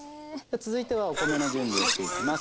続いてはお米の準備をしていきます。